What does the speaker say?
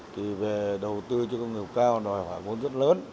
thì về đầu tư cho công nghệ cao đòi phải vốn rất lớn